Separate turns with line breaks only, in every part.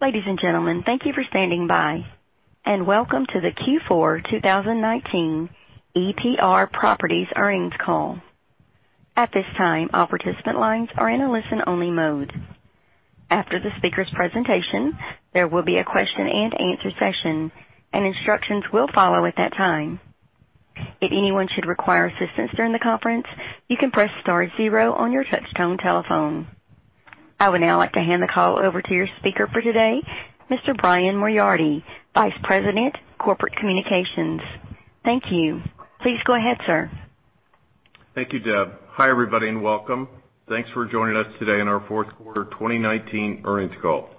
Ladies and gentlemen, thank you for standing by, and welcome to the Q4 2019 EPR Properties Earnings Call. At this time, all participant lines are in a listen-only mode. After the speakers' presentation, there will be a question and answer session, and instructions will follow at that time. If anyone should require assistance during the conference, you can press star zero on your touchtone telephone. I would now like to hand the call over to your speaker for today, Mr. Brian Moriarty, Vice President, Corporate Communications. Thank you. Please go ahead, sir.
Thank you, Deb. Hi, everybody, and welcome. Thanks for joining us today on our fourth quarter 2019 earnings call.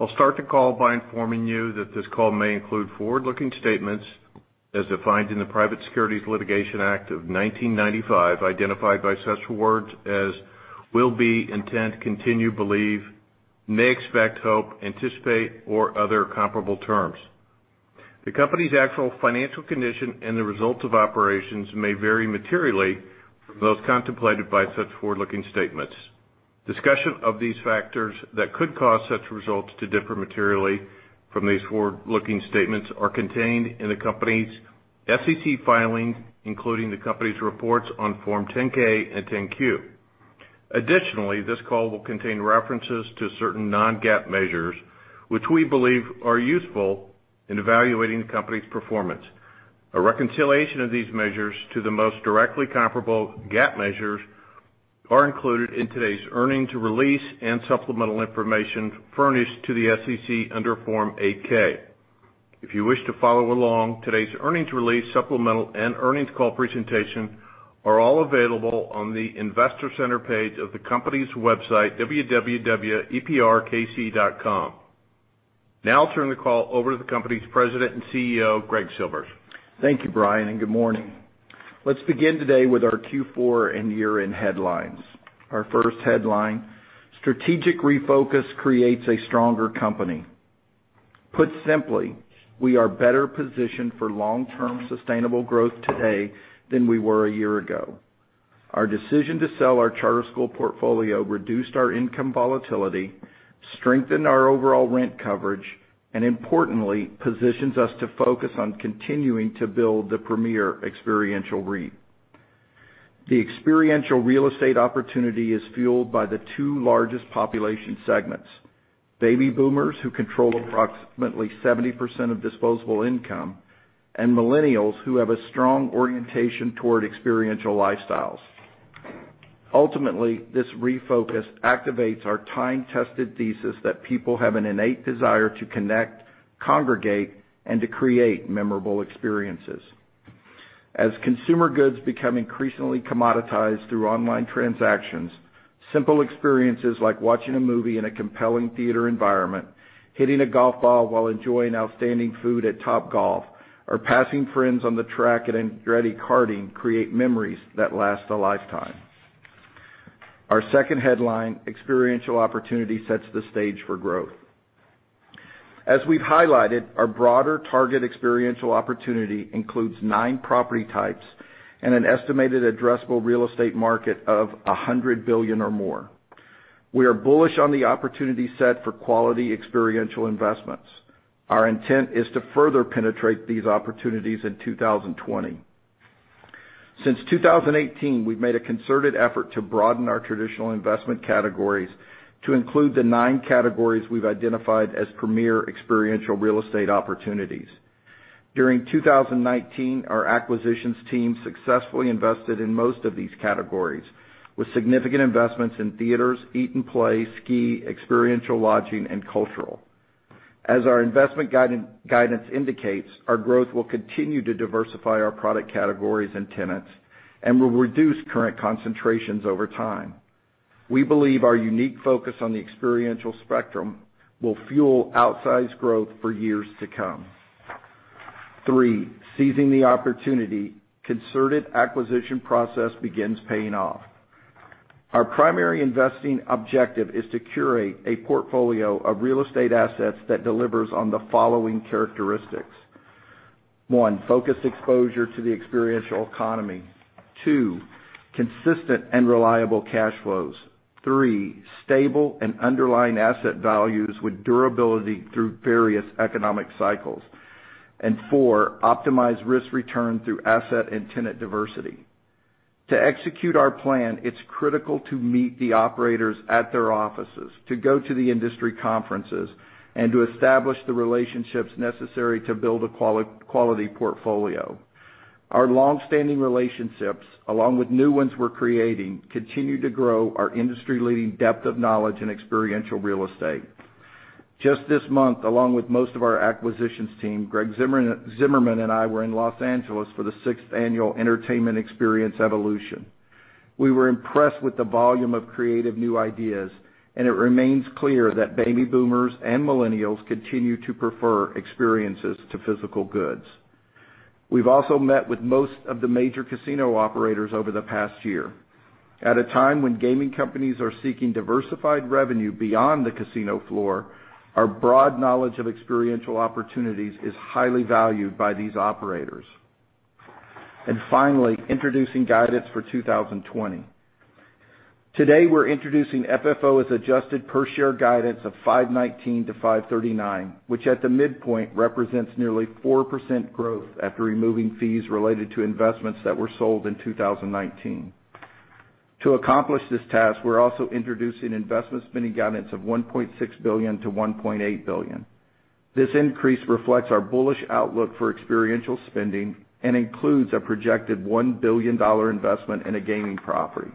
I'll start the call by informing you that this call may include forward-looking statements as defined in the Private Securities Litigation Reform Act of 1995, identified by such words as will, be, intent, continue, believe, may, expect, hope, anticipate, or other comparable terms. The company's actual financial condition and the results of operations may vary materially from those contemplated by such forward-looking statements. Discussion of these factors that could cause such results to differ materially from these forward-looking statements are contained in the company's SEC filings, including the company's reports on Form 10-K and 10-Q. Additionally, this call will contain references to certain non-GAAP measures which we believe are useful in evaluating the company's performance. A reconciliation of these measures to the most directly comparable GAAP measures are included in today's earnings release and supplemental information furnished to the SEC under Form 8-K. If you wish to follow along, today's earnings release supplemental and earnings call presentation are all available on the investor center page of the company's website, www.eprkc.com. I'll turn the call over to the company's President and CEO, Greg Silvers.
Thank you, Brian, and good morning. Let's begin today with our Q4 and year-end headlines. Our first headline: strategic refocus creates a stronger company. Put simply, we are better positioned for long-term sustainable growth today than we were a year ago. Our decision to sell our charter school portfolio reduced our income volatility, strengthened our overall rent coverage, and importantly, positions us to focus on continuing to build the premier experiential REIT. The experiential real estate opportunity is fueled by the two largest population segments, baby boomers, who control approximately 70% of disposable income, and millennials, who have a strong orientation toward experiential lifestyles. Ultimately, this refocus activates our time-tested thesis that people have an innate desire to connect, congregate, and to create memorable experiences. As consumer goods become increasingly commoditized through online transactions, simple experiences like watching a movie in a compelling theater environment, hitting a golf ball while enjoying outstanding food at Topgolf, or passing friends on the track at Andretti Karting create memories that last a lifetime. Our second headline, experiential opportunity sets the stage for growth. As we've highlighted, our broader target experiential opportunity includes nine property types and an estimated addressable real estate market of $100 billion or more. We are bullish on the opportunity set for quality experiential investments. Our intent is to further penetrate these opportunities in 2020. Since 2018, we've made a concerted effort to broaden our traditional investment categories to include the nine categories we've identified as premier experiential real estate opportunities. During 2019, our acquisitions team successfully invested in most of these categories, with significant investments in theaters, eat and play, ski, experiential lodging, and cultural. As our investment guidance indicates, our growth will continue to diversify our product categories and tenants and will reduce current concentrations over time. We believe our unique focus on the experiential spectrum will fuel outsized growth for years to come. Three, seizing the opportunity, concerted acquisition process begins paying off. Our primary investing objective is to curate a portfolio of real estate assets that delivers on the following characteristics. One, focused exposure to the experiential economy. Two, consistent and reliable cash flows. Three, stable and underlying asset values with durability through various economic cycles. Four, optimized risk return through asset and tenant diversity. To execute our plan, it's critical to meet the operators at their offices, to go to the industry conferences, and to establish the relationships necessary to build a quality portfolio. Our long-standing relationships, along with new ones we're creating, continue to grow our industry-leading depth of knowledge in experiential real estate. Just this month, along with most of our acquisitions team, Greg Zimmerman and I were in Los Angeles for the sixth annual Entertainment Experience Evolution. We were impressed with the volume of creative new ideas, and it remains clear that baby boomers and millennials continue to prefer experiences to physical goods. At a time when gaming companies are seeking diversified revenue beyond the casino floor, our broad knowledge of experiential opportunities is highly valued by these operators. Finally, introducing guidance for 2020. Today, we're introducing FFO as adjusted per share guidance of 519-539, which at the midpoint represents nearly 4% growth after removing fees related to investments that were sold in 2019. To accomplish this task, we're also introducing investment spending guidance of $1.6 billion-$1.8 billion. This increase reflects our bullish outlook for experiential spending and includes a projected $1 billion investment in a gaming property.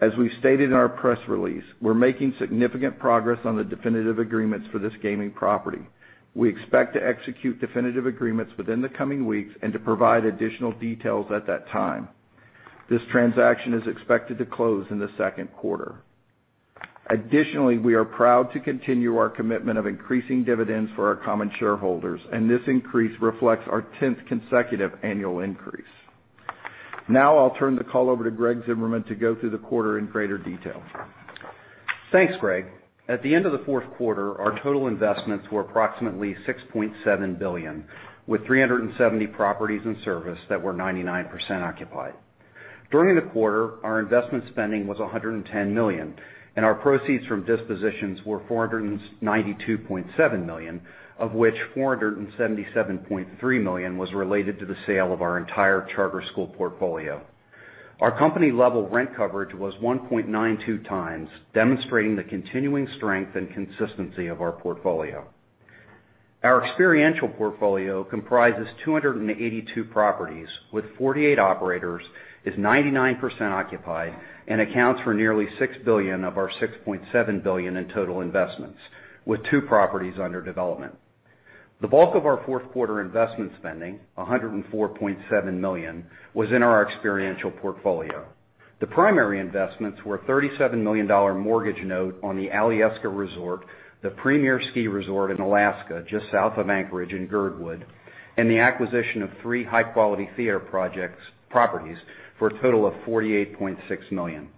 As we stated in our press release, we're making significant progress on the definitive agreements for this gaming property. We expect to execute definitive agreements within the coming weeks and to provide additional details at that time. This transaction is expected to close in the second quarter. Additionally, we are proud to continue our commitment of increasing dividends for our common shareholders, and this increase reflects our 10th consecutive annual increase. Now I'll turn the call over to Greg Zimmerman to go through the quarter in greater detail.
Thanks, Greg. At the end of the fourth quarter, our total investments were approximately $6.7 billion, with 370 properties and service that were 99% occupied. During the quarter, our investment spending was $110 million, and our proceeds from dispositions were $492.7 million, of which $477.3 million was related to the sale of our entire charter school portfolio. Our company-level rent coverage was 1.92 times, demonstrating the continuing strength and consistency of our portfolio. Our experiential portfolio comprises 282 properties with 48 operators, is 99% occupied, and accounts for nearly $6 billion of our $6.7 billion in total investments, with two properties under development. The bulk of our fourth quarter investment spending, $104.7 million, was in our experiential portfolio. The primary investments were a $37 million mortgage note on the Alyeska Resort, the premier ski resort in Alaska, just south of Anchorage in Girdwood, and the acquisition of three high-quality theater properties for a total of $48.6 million.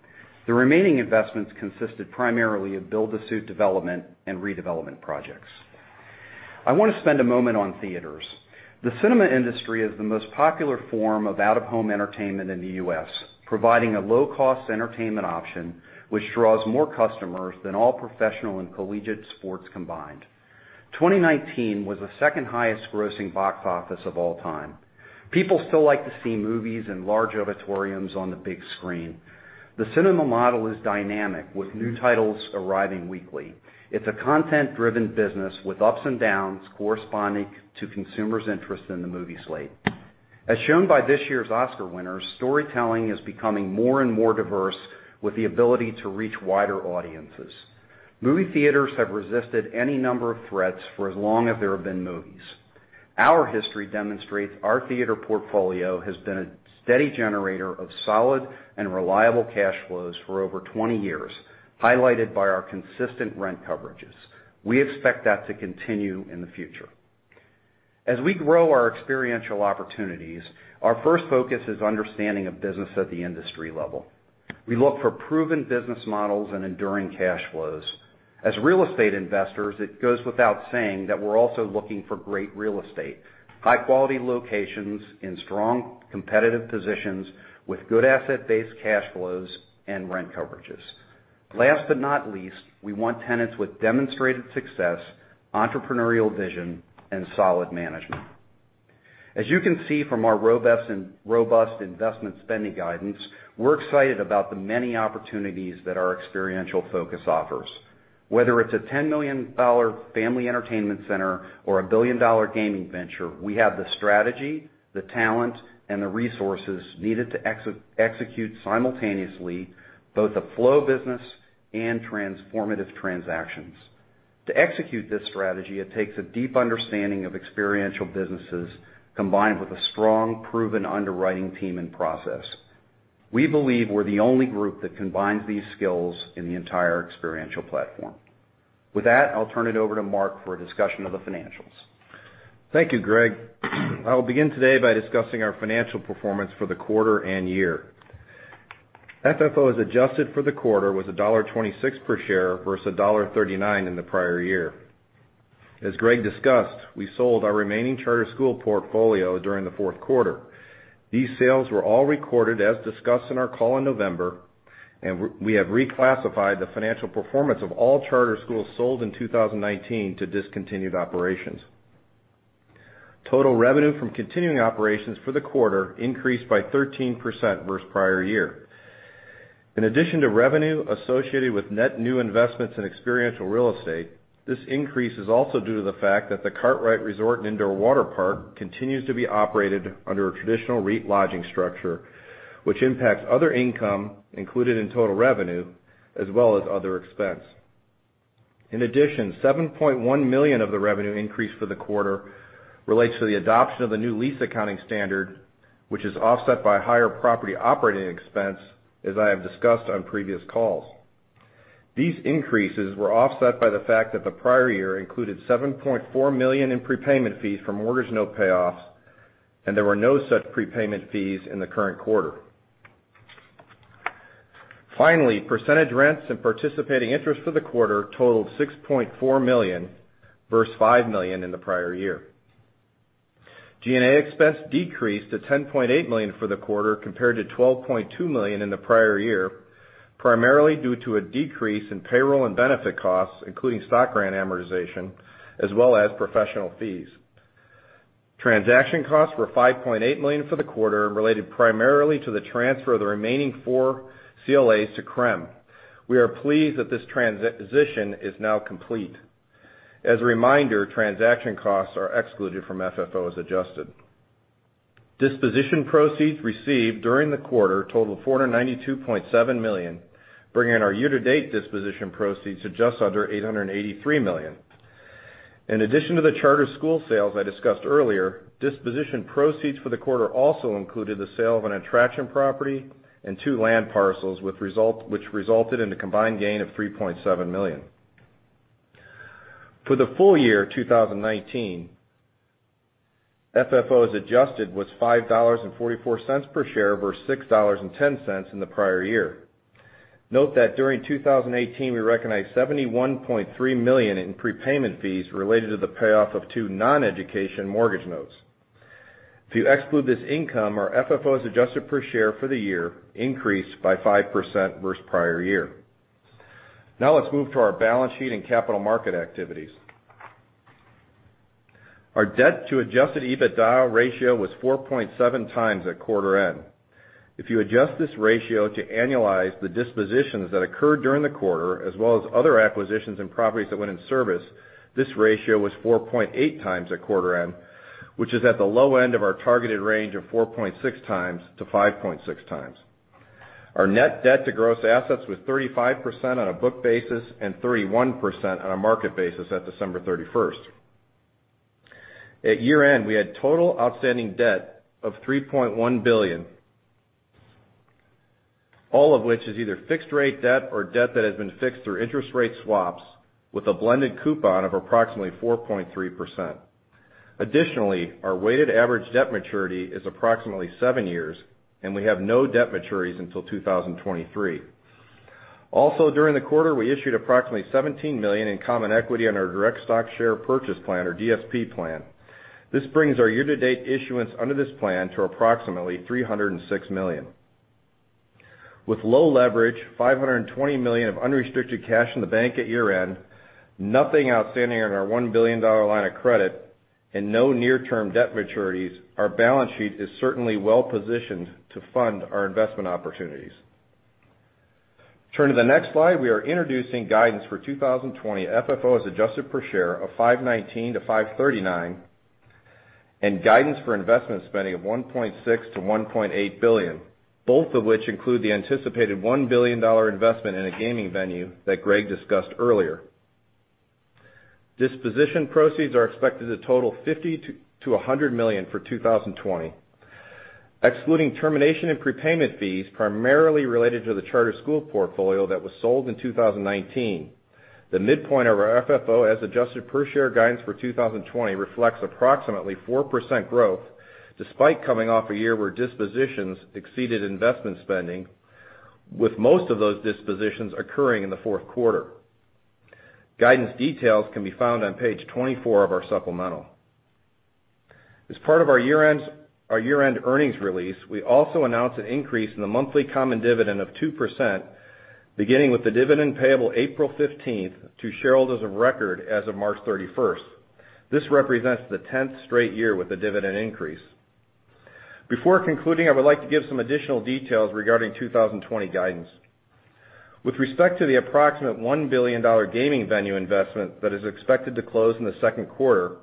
The remaining investments consisted primarily of build-to-suit development and redevelopment projects. I want to spend a moment on theaters. The cinema industry is the most popular form of out-of-home entertainment in the U.S., providing a low-cost entertainment option, which draws more customers than all professional and collegiate sports combined. 2019 was the second highest grossing box office of all time. People still like to see movies in large auditoriums on the big screen. The cinema model is dynamic, with new titles arriving weekly. It's a content-driven business with ups and downs corresponding to consumers' interest in the movie slate. As shown by this year's Oscar winners, storytelling is becoming more and more diverse with the ability to reach wider audiences. Movie theaters have resisted any number of threats for as long as there have been movies. Our history demonstrates our theater portfolio has been a steady generator of solid and reliable cash flows for over 20 years, highlighted by our consistent rent coverages. We expect that to continue in the future. As we grow our experiential opportunities, our first focus is understanding a business at the industry level. We look for proven business models and enduring cash flows. As real estate investors, it goes without saying that we're also looking for great real estate, high-quality locations in strong competitive positions with good asset-based cash flows and rent coverages. Last but not least, we want tenants with demonstrated success, entrepreneurial vision, and solid management. As you can see from our robust investment spending guidance, we're excited about the many opportunities that our experiential focus offers. Whether it's a $10 million family entertainment center or a billion-dollar gaming venture, we have the strategy, the talent, and the resources needed to execute simultaneously both a flow business and transformative transactions. To execute this strategy, it takes a deep understanding of experiential businesses combined with a strong, proven underwriting team and process. We believe we're the only group that combines these skills in the entire experiential platform. With that, I'll turn it over to Mark for a discussion of the financials.
Thank you, Greg. I'll begin today by discussing our financial performance for the quarter and year. FFO as adjusted for the quarter was $1.26 per share versus $1.39 in the prior year. As Greg discussed, we sold our remaining charter school portfolio during the fourth quarter. These sales were all recorded as discussed on our call in November, and we have reclassified the financial performance of all charter schools sold in 2019 to discontinued operations. Total revenue from continuing operations for the quarter increased by 13% versus prior year. In addition to revenue associated with net new investments in experiential real estate, this increase is also due to the fact that the Kartrite Resort & Indoor Waterpark continues to be operated under a traditional REIT lodging structure, which impacts other income included in total revenue as well as other expense. 7.1 million of the revenue increase for the quarter relates to the adoption of the new lease accounting standard, which is offset by higher property operating expense, as I have discussed on previous calls. These increases were offset by the fact that the prior year included $7.4 million in prepayment fees from mortgage note payoffs, and there were no such prepayment fees in the current quarter. Percentage rents and participating interest for the quarter totaled $6.4 million, versus $5 million in the prior year. G&A expense decreased to $10.8 million for the quarter, compared to $12.2 million in the prior year, primarily due to a decrease in payroll and benefit costs, including stock grant amortization, as well as professional fees. Transaction costs were $5.8 million for the quarter, related primarily to the transfer of the remaining four CLAs to CREM. We are pleased that this transition is now complete. As a reminder, transaction costs are excluded from FFO as adjusted. Disposition proceeds received during the quarter totaled $492.7 million, bringing our year-to-date disposition proceeds to just under $883 million. In addition to the charter school sales I discussed earlier, disposition proceeds for the quarter also included the sale of an attraction property and two land parcels, which resulted in a combined gain of $3.7 million. For the full year 2019, FFO as adjusted was $5.44 per share, versus $6.10 in the prior year. Note that during 2018, we recognized $71.3 million in prepayment fees related to the payoff of two non-education mortgage notes. If you exclude this income, our FFO as adjusted per share for the year increased by 5% versus prior year. Now let's move to our balance sheet and capital market activities. Our debt to adjusted EBITDA ratio was 4.7x at quarter end. If you adjust this ratio to annualize the dispositions that occurred during the quarter, as well as other acquisitions and properties that went in service, this ratio was 4.8x at quarter end, which is at the low end of our targeted range of 4.6x-5.6x. Our net debt to gross assets was 35% on a book basis and 31% on a market basis at December 31st. At year end, we had total outstanding debt of $3.1 billion, all of which is either fixed-rate debt or debt that has been fixed through interest rate swaps with a blended coupon of approximately 4.3%. Additionally, our weighted average debt maturity is approximately seven years, and we have no debt maturities until 2023. During the quarter, we issued approximately $17 million in common equity on our direct stock share purchase plan or DSPP. This brings our year-to-date issuance under this plan to approximately $306 million. With low leverage, $520 million of unrestricted cash in the bank at year end, nothing outstanding on our $1 billion line of credit, and no near-term debt maturities, our balance sheet is certainly well-positioned to fund our investment opportunities. Turn to the next slide. We are introducing guidance for 2020 FFO as adjusted per share of $5.19-$5.39, and guidance for investment spending of $1.6 billion-$1.8 billion, both of which include the anticipated $1 billion investment in a gaming venue that Greg discussed earlier. Disposition proceeds are expected to total $50 million-$100 million for 2020. Excluding termination and prepayment fees primarily related to the charter school portfolio that was sold in 2019, the midpoint of our FFO as adjusted per share guidance for 2020 reflects approximately 4% growth, despite coming off a year where dispositions exceeded investment spending, with most of those dispositions occurring in the fourth quarter. Guidance details can be found on page 24 of our supplemental. As part of our year-end earnings release, we also announced an increase in the monthly common dividend of 2%, beginning with the dividend payable April 15th to shareholders of record as of March 31st. This represents the 10th straight year with a dividend increase. Before concluding, I would like to give some additional details regarding 2020 guidance. With respect to the approximate $1 billion gaming venue investment that is expected to close in the second quarter,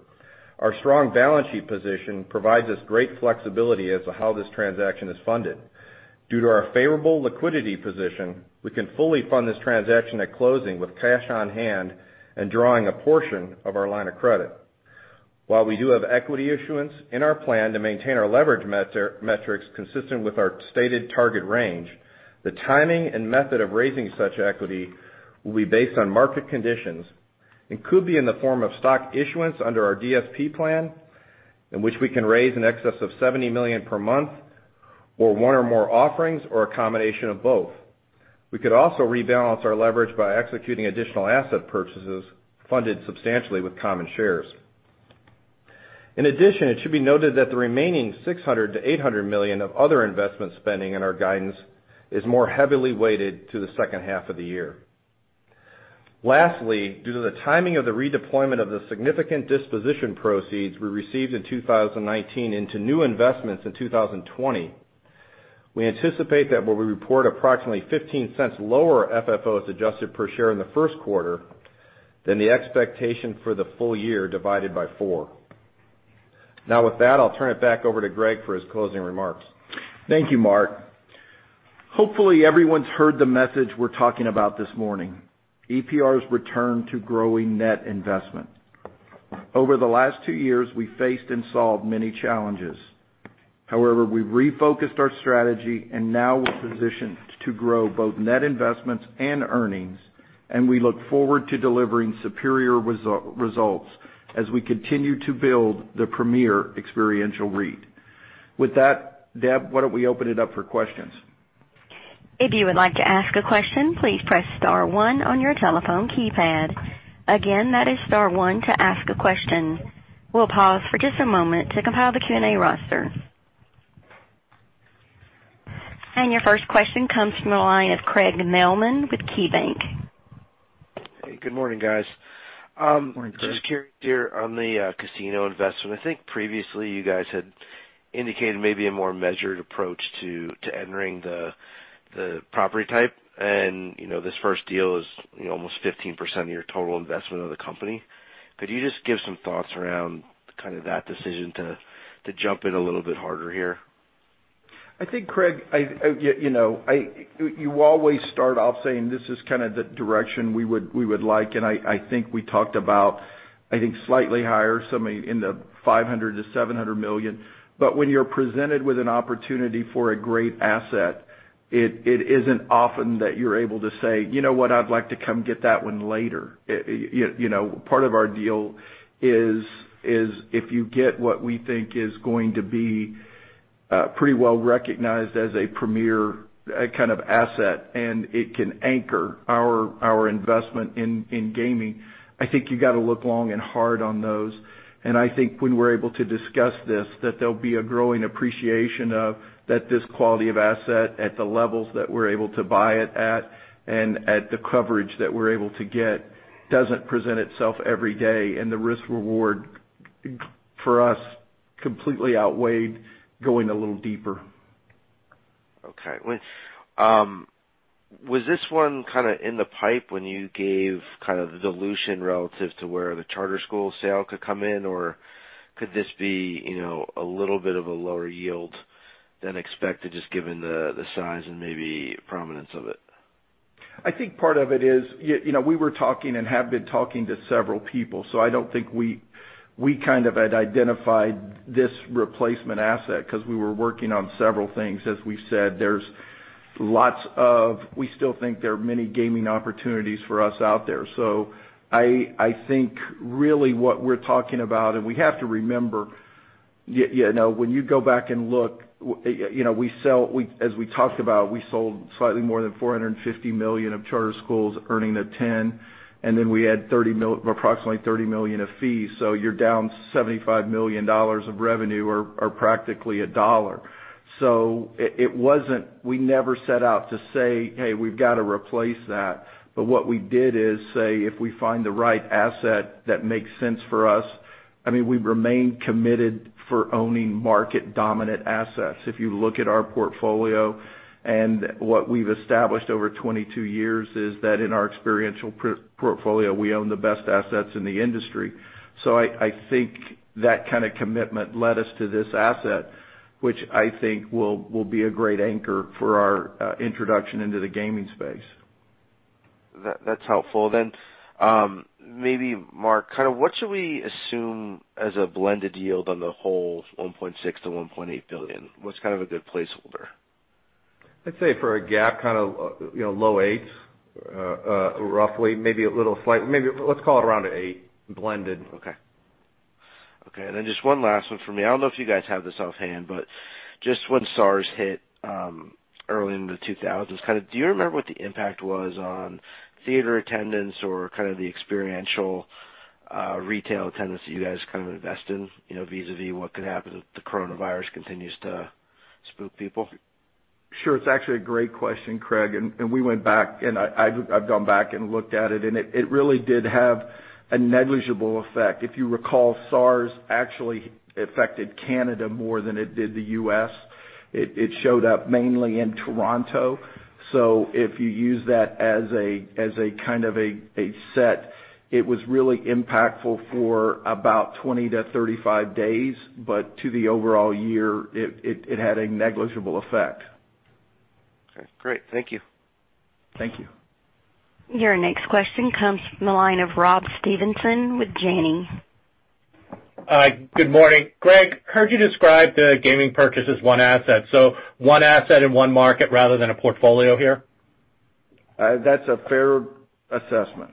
our strong balance sheet position provides us great flexibility as to how this transaction is funded. Due to our favorable liquidity position, we can fully fund this transaction at closing with cash on hand and drawing a portion of our line of credit. While we do have equity issuance in our plan to maintain our leverage metrics consistent with our stated target range, the timing and method of raising such equity will be based on market conditions and could be in the form of stock issuance under our DSP plan, in which we can raise in excess of $70 million per month, or one or more offerings, or a combination of both. We could also rebalance our leverage by executing additional asset purchases funded substantially with common shares. It should be noted that the remaining $600 million-$800 million of other investment spending in our guidance is more heavily weighted to the second half of the year. Lastly, due to the timing of the redeployment of the significant disposition proceeds we received in 2019 into new investments in 2020, we anticipate that we will report approximately $0.15 lower FFO as adjusted per share in the first quarter than the expectation for the full year divided by four. With that, I'll turn it back over to Greg for his closing remarks.
Thank you, Mark. Hopefully, everyone's heard the message we're talking about this morning. EPR's return to growing net investment. Over the last two years, we faced and solved many challenges. We refocused our strategy and now we're positioned to grow both net investments and earnings. We look forward to delivering superior results as we continue to build the premier experiential REIT. With that, Deb, why don't we open it up for questions?
If you would like to ask a question, please press star one on your telephone keypad. Again, that is star one to ask a question. We'll pause for just a moment to compile the Q&A roster. Your first question comes from the line of Craig Mailman with KeyBanc Capital Markets.
Hey, good morning, guys.
Morning, Craig.
Just curious here on the casino investment. I think previously you guys had indicated maybe a more measured approach to entering the property type. This first deal is almost 15% of your total investment of the company. Could you just give some thoughts around kind of that decision to jump in a little bit harder here?
I think, Craig, you always start off saying, "This is kind of the direction we would like." I think we talked about, I think, slightly higher, so maybe in the $500 million-$700 million. When you're presented with an opportunity for a great asset, it isn't often that you're able to say, "You know what? I'd like to come get that one later." Part of our deal is if you get what we think is going to be pretty well recognized as a premier kind of asset, and it can anchor our investment in gaming, I think you got to look long and hard on those. I think when we're able to discuss this, that there'll be a growing appreciation of that this quality of asset at the levels that we're able to buy it at, and at the coverage that we're able to get, doesn't present itself every day. The risk-reward, for us, completely outweighed going a little deeper.
Okay. Was this one kind of in the pipe when you gave kind of the dilution relative to where the charter school sale could come in? Or could this be a little bit of a lower yield than expected, just given the size and maybe prominence of it?
I think part of it is, we were talking and have been talking to several people. I don't think we kind of had identified this replacement asset because we were working on several things. As we've said, we still think there are many gaming opportunities for us out there. I think really what we're talking about, and we have to remember, when you go back and look, as we talked about, we sold slightly more than $450 million of charter schools, earning a 10, and then we had approximately $30 million of fees. You're down $75 million of revenue, or practically a dollar. We never set out to say, "Hey, we've got to replace that." What we did is say, "If we find the right asset that makes sense for us," we remain committed for owning market-dominant assets. If you look at our portfolio and what we've established over 22 years, is that in our experiential portfolio, we own the best assets in the industry. I think that kind of commitment led us to this asset, which I think will be a great anchor for our introduction into the gaming space.
That's helpful. Maybe Mark, kind of what should we assume as a blended yield on the whole $1.6 billion-$1.8 billion? What's kind of a good placeholder?
I'd say for a GAAP, kind of low eights, roughly. Maybe let's call it around an eight, blended.
Okay. Just one last one for me. I don't know if you guys have this offhand, but just when SARS hit early in the 2000s, do you remember what the impact was on theater attendance or kind of the experiential retail attendance that you guys kind of invest in, vis-a-vis what could happen if the coronavirus continues to spook people?
Sure. It's actually a great question, Craig. We went back, and I've gone back and looked at it, and it really did have a negligible effect. If you recall, SARS actually affected Canada more than it did the U.S. It showed up mainly in Toronto. If you use that as a kind of a set, it was really impactful for about 20-35 days. To the overall year, it had a negligible effect.
Okay, great. Thank you.
Thank you.
Your next question comes from the line of Rob Stevenson with Janney.
Hi. Good morning. Greg, heard you describe the gaming purchase as one asset. One asset in one market rather than a portfolio here?
That's a fair assessment.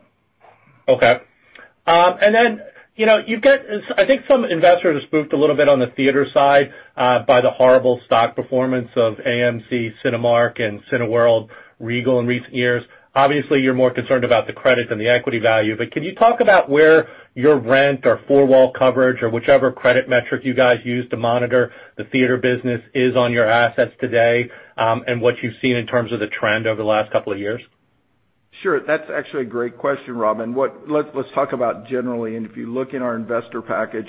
I think some investors are spooked a little bit on the theater side by the horrible stock performance of AMC, Cinemark, and Cineworld, Regal in recent years. Obviously, you're more concerned about the credit than the equity value, but can you talk about where your rent or four-wall coverage or whichever credit metric you guys use to monitor the theater business is on your assets today, and what you've seen in terms of the trend over the last couple of years?
Sure. That's actually a great question, Rob. Let's talk about generally, and if you look in our investor package,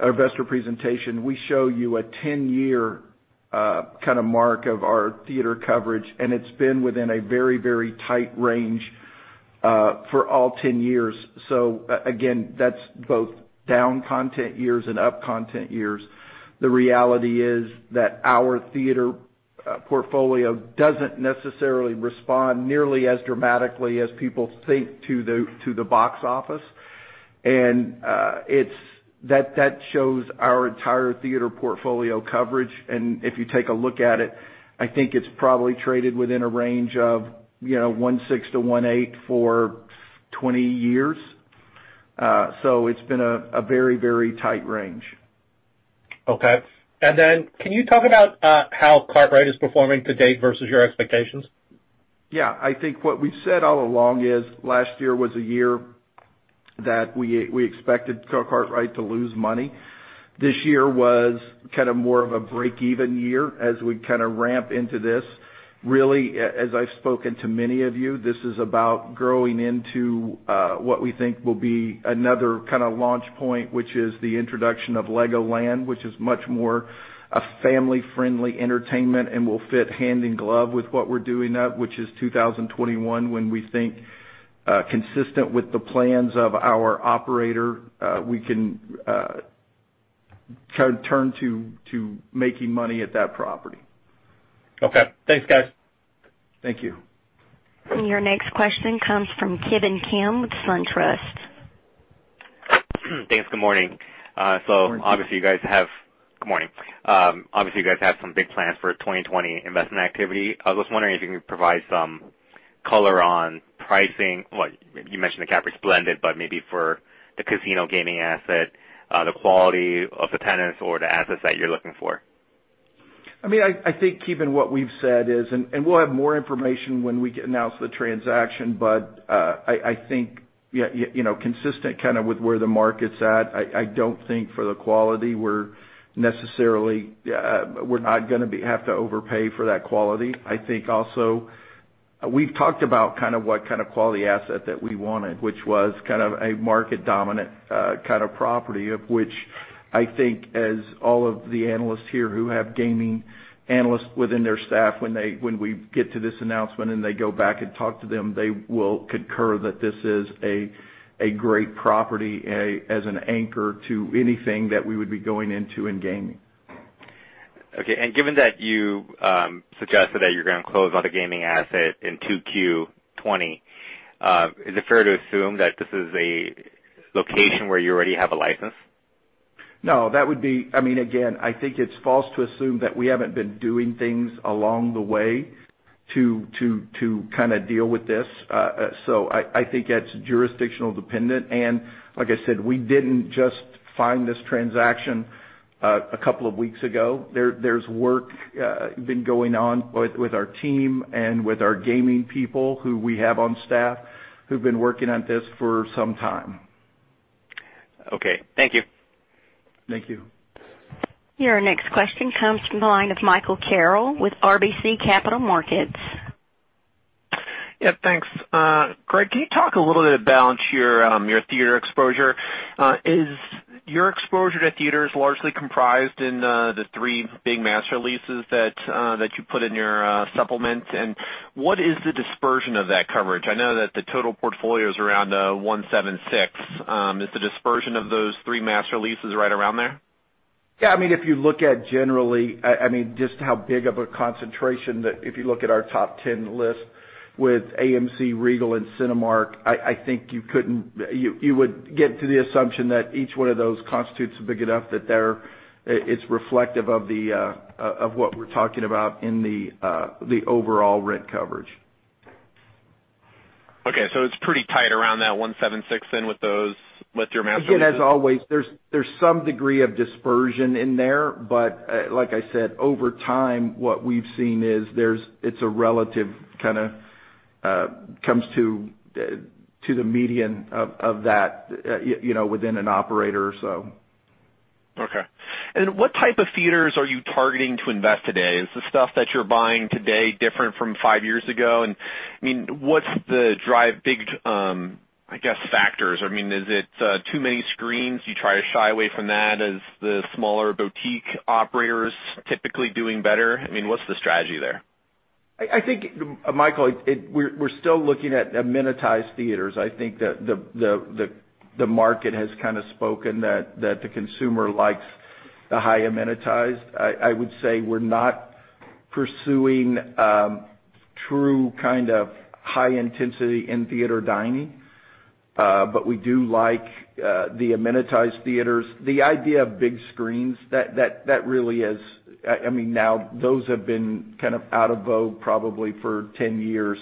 our investor presentation, we show you a 10-year kind of mark of our theater coverage, and it's been within a very tight range for all 10 years. Again, that's both down content years and up content years. The reality is that our theater portfolio doesn't necessarily respond nearly as dramatically as people think to the box office. That shows our entire theater portfolio coverage. If you take a look at it, I think it's probably traded within a range of $1.6-1.8 for 20 years. It's been a very tight range.
Okay. Can you talk about how Kartrite is performing to date versus your expectations?
I think what we've said all along is, last year was a year that we expected The Kartrite to lose money. This year was kind of more of a break-even year as we kind of ramp into this. As I've spoken to many of you, this is about growing into what we think will be another kind of launch point, which is the introduction of LEGOLAND, which is much more a family-friendly entertainment and will fit hand in glove with what we're doing now, which is 2021, when we think, consistent with the plans of our operator, we can turn to making money at that property.
Okay. Thanks, guys.
Thank you.
Your next question comes from Ki Bin Kim with SunTrust.
Thanks. Good morning.
Good morning.
Good morning. You guys have some big plans for 2020 investment activity. I was wondering if you can provide some color on pricing. Well, you mentioned the cap rate blend, but maybe for the casino gaming asset, the quality of the tenants or the assets that you're looking for.
I think, Ki Bin, what we've said is, and we'll have more information when we announce the transaction, but I think consistent kind of with where the market's at, I don't think for the quality, we're not going to have to overpay for that quality. I think also, we've talked about what kind of quality asset that we wanted, which was kind of a market dominant kind of property, of which I think as all of the analysts here who have gaming analysts within their staff, when we get to this announcement and they go back and talk to them, they will concur that this is a great property as an anchor to anything that we would be going into in gaming.
Okay. Given that you suggested that you're going to close on a gaming asset in 2Q 2020, is it fair to assume that this is a location where you already have a license?
No. Again, I think it's false to assume that we haven't been doing things along the way to kind of deal with this. I think that's jurisdictional dependent. Like I said, we didn't just find this transaction a couple of weeks ago. There's work been going on with our team and with our gaming people who we have on staff, who've been working on this for some time.
Okay. Thank you.
Thank you.
Your next question comes from the line of Michael Carroll with RBC Capital Markets.
Yeah. Thanks. Greg, can you talk a little bit about your theater exposure? Is your exposure to theaters largely comprised in the three big master leases that you put in your supplement? What is the dispersion of that coverage? I know that the total portfolio is around 1.76x. Is the dispersion of those three master leases right around there?
Yeah. If you look at generally, just how big of a concentration that if you look at our top 10 list with AMC, Regal and Cinemark, I think you would get to the assumption that each one of those constitutes big enough that it's reflective of what we're talking about in the overall rent coverage.
Okay. It's pretty tight around that 176 then with your master leases?
As always, there's some degree of dispersion in there, but like I said, over time, what we've seen is it's a relative kind of comes to the median of that within an operator or so.
Okay. What type of theaters are you targeting to invest today? Is the stuff that you're buying today different from five years ago? What's the drive big, I guess, factors? Is it too many screens, you try to shy away from that? Is the smaller boutique operators typically doing better? What's the strategy there?
I think, Michael, we're still looking at amenitized theaters. I think that the market has kind of spoken that the consumer likes the high amenitized. I would say we're not pursuing true kind of high intensity in theater dining. We do like the amenitized theaters. The idea of big screens, now those have been kind of out of vogue probably for 10 years.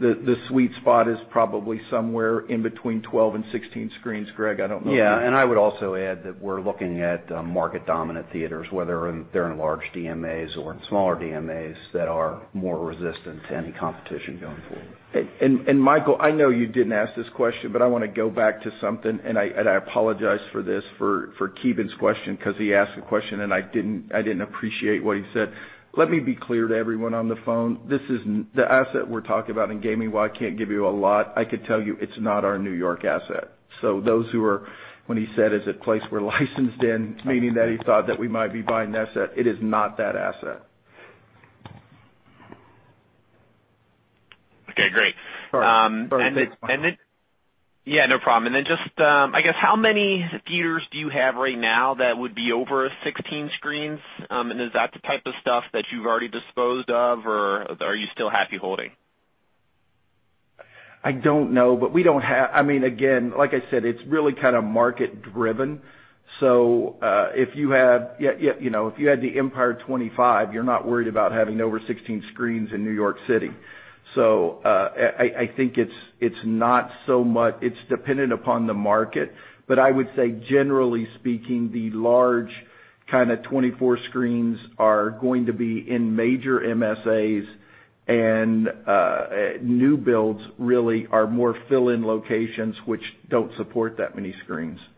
The sweet spot is probably somewhere in between 12 and 16 screens, Greg. I don't know.
Yeah. I would also add that we're looking at market dominant theaters, whether they're in large DMAs or in smaller DMAs that are more resistant to any competition going forward.
Michael, I know you didn't ask this question, but I want to go back to something, and I apologize for this, for Ki Bin's question because he asked a question, and I didn't appreciate what he said. Let me be clear to everyone on the phone. The asset we're talking about in gaming, while I can't give you a lot, I could tell you it's not our New York asset. When he said it's a place we're licensed in, meaning that he thought that we might be buying the asset, it is not that asset.
Okay. Great.
Sorry.
Yeah, no problem. Then just, I guess, how many theaters do you have right now that would be over 16 screens? Is that the type of stuff that you've already disposed of, or are you still happy holding?
I don't know. Again, like I said, it's really kind of market-driven. If you had the Empire 25, you're not worried about having over 16 screens in New York City. I think it's dependent upon the market. I would say, generally speaking, the large kind of 24 screens are going to be in major MSAs, and new builds really are more fill-in locations which don't support that many screens.
Okay.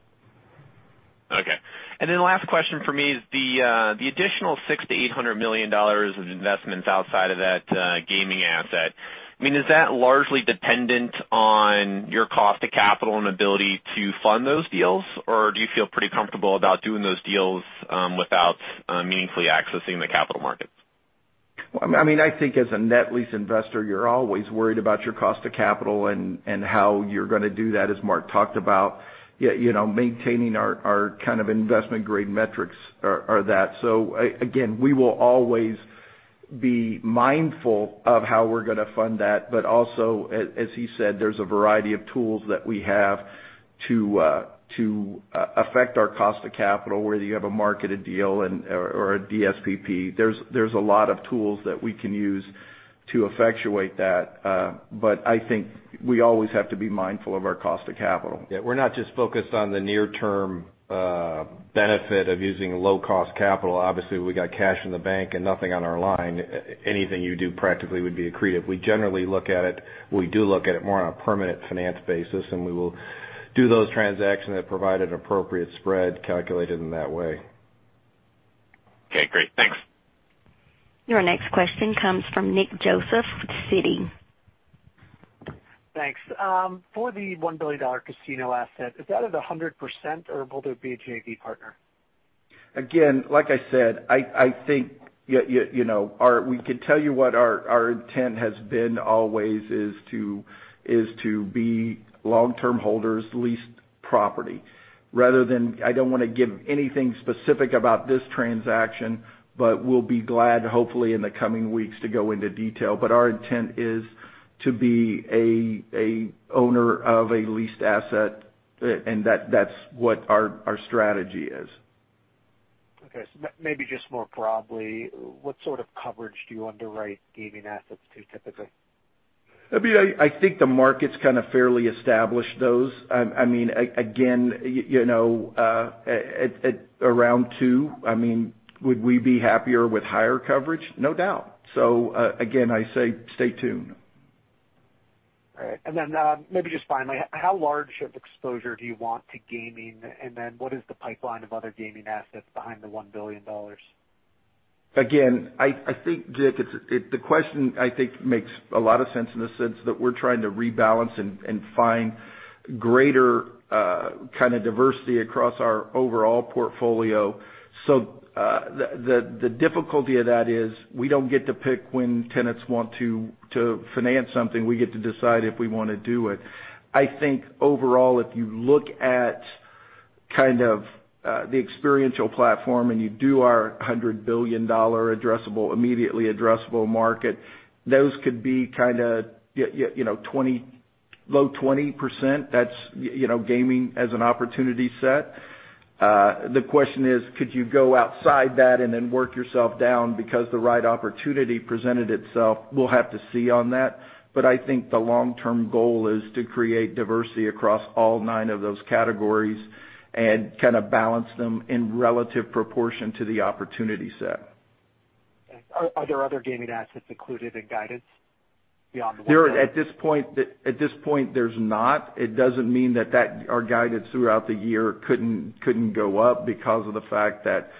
Last question for me is the additional $600 million-$800 million of investments outside of that gaming asset. Is that largely dependent on your cost to capital and ability to fund those deals? Or do you feel pretty comfortable about doing those deals, without meaningfully accessing the capital markets?
I think as a net lease investor, you're always worried about your cost of capital and how you're gonna do that, as Mark talked about. Maintaining our kind of investment-grade metrics are that. Again, we will always be mindful of how we're gonna fund that. Also, as he said, there's a variety of tools that we have to affect our cost of capital, whether you have a marketed deal or a DSPP. There's a lot of tools that we can use to effectuate that. I think we always have to be mindful of our cost of capital.
Yeah, we're not just focused on the near-term benefit of using low-cost capital. Obviously, we got cash in the bank and nothing on our line. Anything you do practically would be accretive. We generally look at it, we do look at it more on a permanent finance basis, and we will do those transactions that provide an appropriate spread calculated in that way.
Okay, great. Thanks.
Your next question comes from Nick Joseph with Citi.
Thanks. For the $1 billion casino asset, is that at 100%, or will there be a JV partner?
Like I said, we can tell you what our intent has been always is to be long-term holders of leased property. I don't wanna give anything specific about this transaction, we'll be glad, hopefully, in the coming weeks, to go into detail. Our intent is to be a owner of a leased asset, and that's what our strategy is.
Okay. Maybe just more broadly, what sort of coverage do you underwrite gaming assets to, typically?
I think the market's kind of fairly established those. Again, around two. Would we be happier with higher coverage? No doubt. Again, I say stay tuned.
All right. Maybe just finally, how large of exposure do you want to gaming? What is the pipeline of other gaming assets behind the $1 billion?
Again, Nick, the question, I think, makes a lot of sense in the sense that we're trying to rebalance and find greater kind of diversity across our overall portfolio. The difficulty of that is we don't get to pick when tenants want to finance something. We get to decide if we wanna do it. I think overall, if you look at kind of the experiential platform, and you do our $100 billion immediately addressable market, those could be kind of low 20%. That's gaming as an opportunity set. The question is: Could you go outside that and then work yourself down because the right opportunity presented itself? We'll have to see on that, but I think the long-term goal is to create diversity across all nine of those categories and kind of balance them in relative proportion to the opportunity set.
Are there other gaming assets included in guidance beyond the-
At this point, there's not. It doesn't mean that our guidance throughout the year couldn't go up because of the fact that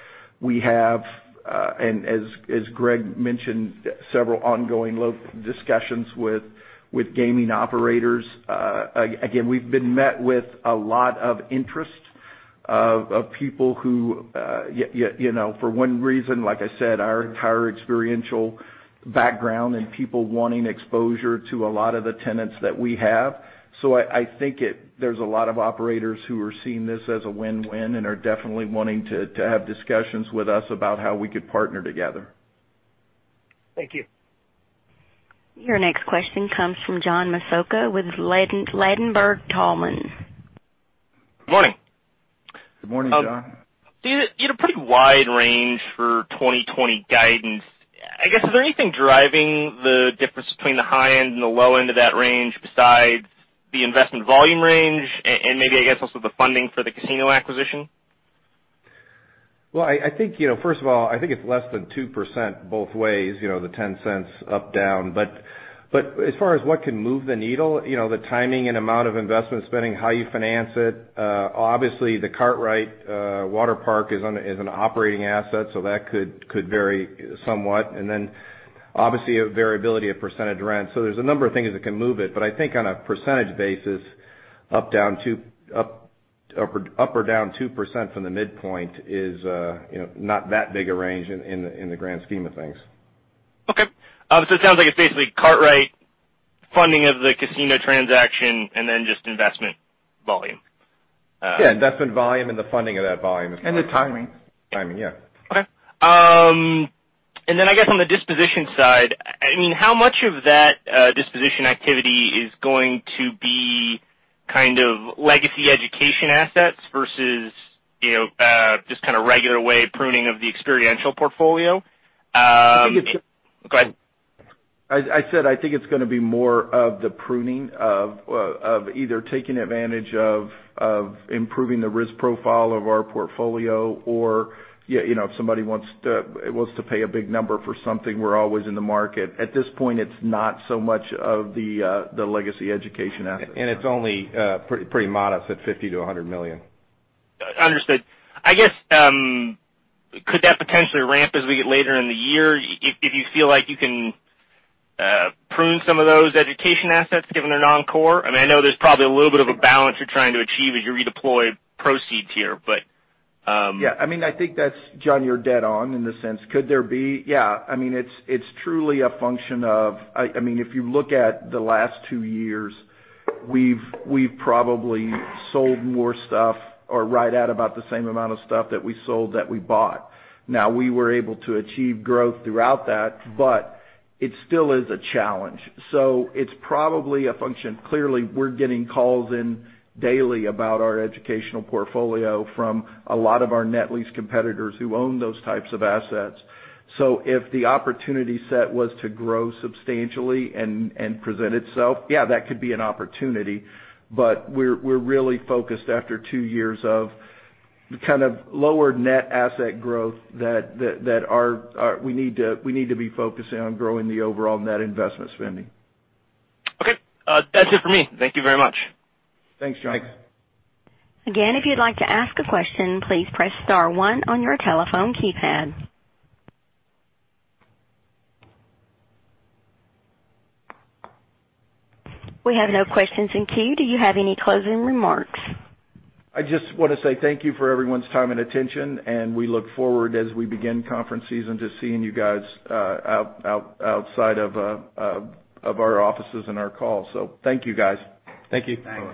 we have, and as Greg mentioned, several ongoing discussions with gaming operators. We've been met with a lot of interest of people who, for one reason, like I said, our entire experiential background and people wanting exposure to a lot of the tenants that we have. I think there's a lot of operators who are seeing this as a win-win and are definitely wanting to have discussions with us about how we could partner together.
Thank you.
Your next question comes from John Massocca with Ladenburg Thalmann.
Good morning.
Good morning, John.
You had a pretty wide range for 2020 guidance. I guess, is there anything driving the difference between the high end and the low end of that range besides the investment volume range and maybe, I guess, also the funding for the casino acquisition?
Well, first of all, I think it's less than 2% both ways, the $0.10 up-down. As far as what can move the needle, the timing and amount of investment spending, how you finance it. Obviously, The Kartrite Waterpark is an operating asset, so that could vary somewhat. Obviously, a variability of percentage rent. There's a number of things that can move it, but I think on a percentage basis, up or down 2% from the midpoint is not that big a range in the grand scheme of things.
It sounds like it's basically Kartrite funding of the casino transaction and then just investment volume.
Yeah. That's been volume and the funding of that volume.
The timing.
Timing, yeah.
Okay. I guess on the disposition side, how much of that disposition activity is going to be legacy education assets versus just kind of regular way pruning of the experiential portfolio?
I think it's-
Go ahead.
I said, I think it's going to be more of the pruning of either taking advantage of improving the risk profile of our portfolio or if somebody wants to pay a big number for something, we're always in the market. At this point, it's not so much of the legacy education aspect.
It's only pretty modest at $50 million-$100 million.
Understood. Could that potentially ramp as we get later in the year if you feel like you can prune some of those education assets, given they're non-core? I know there's probably a little bit of a balance you're trying to achieve as you redeploy proceeds here.
I think that's, John, you're dead on in the sense. Could there be? It's truly a function of, if you look at the last two years, we've probably sold more stuff or right at about the same amount of stuff that we sold that we bought. We were able to achieve growth throughout that, it still is a challenge. It's probably a function. Clearly, we're getting calls in daily about our educational portfolio from a lot of our net lease competitors who own those types of assets. If the opportunity set was to grow substantially and present itself, yeah, that could be an opportunity. We're really focused after two years of kind of lower net asset growth that we need to be focusing on growing the overall net investment spending.
Okay. That's it for me. Thank you very much.
Thanks, John.
Thanks.
Again, if you'd like to ask a question, please press star one on your telephone keypad. We have no questions in queue. Do you have any closing remarks?
I just want to say thank you for everyone's time and attention, and we look forward as we begin conference season to seeing you guys outside of our offices and our calls. Thank you, guys.
Thank you.
Thanks.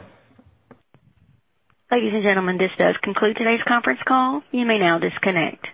Ladies and gentlemen, this does conclude today's conference call. You may now disconnect.